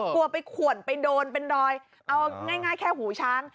กลัวไปขวนไปโดนเป็นรอยเอาง่ายแค่หูช้าง